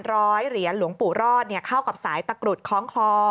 ร้อยเหรียญหลวงปู่รอดเข้ากับสายตะกรุดคล้องคลอ